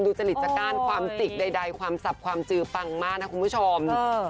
จริตจาก้านความจิกใดความสับความจือปังมากนะคุณผู้ชม